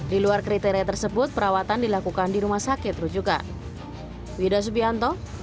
di luar kriteria tersebut perawatan dilakukan di rumah sakit rujukan